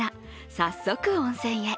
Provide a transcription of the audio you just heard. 早速温泉へ。